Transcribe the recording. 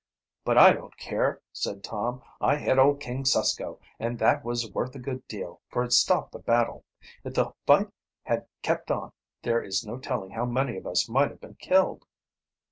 "But I don't care," said Tom. "I hit old King Susko, and that was worth a good deal, for it stopped the battle. If the fight had kept on there is no telling how many of us might have been killed."